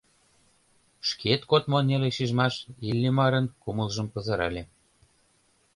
Шкет кодмо неле шижмаш Иллимарын кумылжым пызырале.